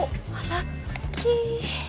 ラッキー！